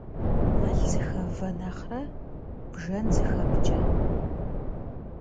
Мэл зыхэвэ нэхърэ бжэн зыхэпкӏэ.